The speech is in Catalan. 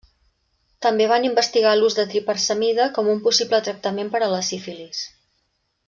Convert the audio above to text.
També van investigar l'ús de triparsamida com un possible tractament per a la sífilis.